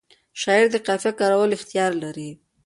شاعر د قافیه کارولو اختیار لري.